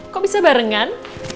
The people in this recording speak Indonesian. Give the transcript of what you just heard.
kok bisa barengan